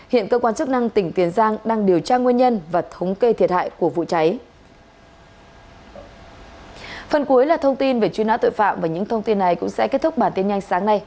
hiện cơ quan chức năng tỉnh tiền giang đang điều tra nguyên nhân và thống kê thiệt hại của vụ cháy